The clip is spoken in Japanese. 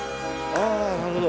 あなるほど。